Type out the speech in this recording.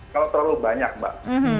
kalau terlalu banyak mbak